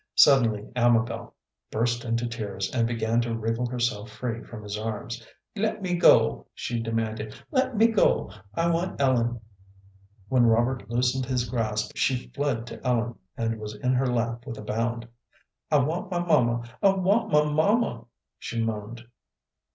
Suddenly Amabel burst into tears, and began to wriggle herself free from his arms. "Let me go," she demanded; "let me go. I want Ellen." When Robert loosened his grasp she fled to Ellen, and was in her lap with a bound. "I want my mamma I want my mamma," she moaned.